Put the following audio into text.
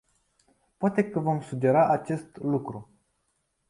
Poate că vom sugera acest lucru.